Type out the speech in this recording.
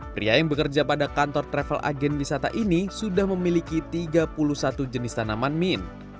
pria yang bekerja pada kantor travel agen wisata ini sudah memiliki tiga puluh satu jenis tanaman min